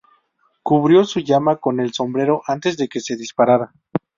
Cubrió su llama con el sombrero antes de que se disparara.